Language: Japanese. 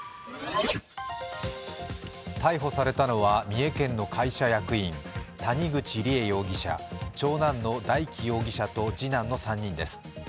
逮捕されたのは、三重県の会社役員谷口梨恵容疑者長男の大祈容疑者と次男の３人です